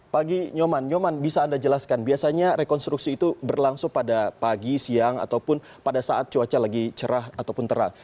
pagi nyoman nyoman bisa anda jelaskan biasanya rekonstruksi itu berlangsung pada pagi siang ataupun pada saat cuaca lagi cerah ataupun terang